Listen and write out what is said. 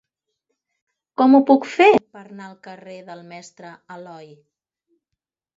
Com ho puc fer per anar al carrer del Mestre Aloi?